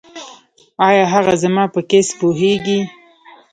ایا هغه زما په کیس پوهیږي؟